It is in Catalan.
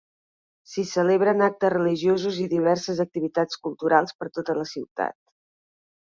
S’hi celebren actes religiosos i diverses activitats culturals per tota la ciutat.